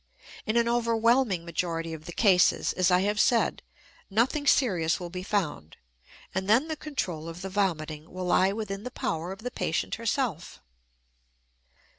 In an overwhelming majority of the cases, as I have said, nothing serious will be found; and then the control of the vomiting will lie within the power of the patient herself.